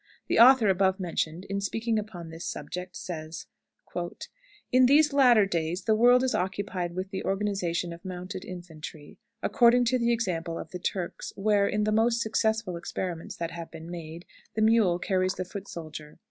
The author above mentioned, in speaking upon this subject, says: "In these latter days the world is occupied with the organization of mounted infantry, according to the example of the Turks, where, in the most successful experiments that have been made, the mule carries the foot soldier.